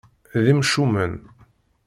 D imcumen.